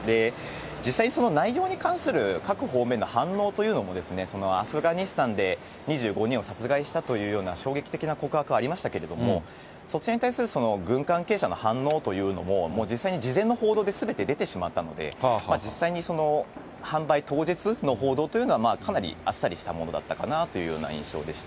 実際にその内容に関する各方面の反応というのも、アフガニスタンで２５人を殺害したというような衝撃的な告白がありましたけども、そちらに対する軍関係者の反応というのも、もう実際に事前の報道ですべて出てしまったので、実際にその販売当日の報道というのは、かなりあっさりしたものだったかなというような印象でした。